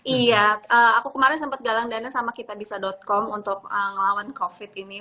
iya aku kemarin sempat galang dana sama kitabisa com untuk ngelawan covid ini